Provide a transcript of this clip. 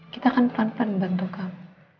kita akan pelan pelan bantu kamu